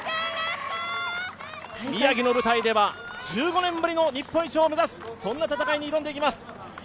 宮城の舞台では１５年ぶりの日本一を目指すそんな戦いに挑んでいきます。